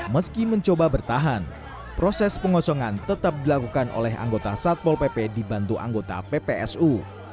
meski mencoba bertahan proses pengosongan tetap dilakukan oleh anggota satpol pp dibantu anggota ppsu